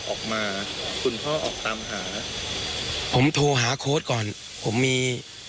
ออกมาคุณต้องเขาตามผมโทรหาโค้ชก่อนผมมี